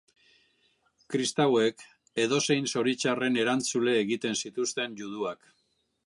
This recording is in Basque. Kristauek edozein zoritxarren erantzule egiten zituzten juduak.